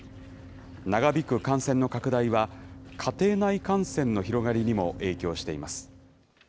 長引く感染の拡大は、家庭内感染の広がりにも影響しています。